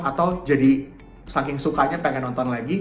atau jadi saking sukanya pengen nonton lagi